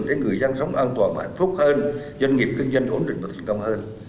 để người dân sống an toàn và hạnh phúc hơn doanh nghiệp kinh doanh ổn định và thành công hơn